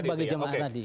sebagai jemaah tadi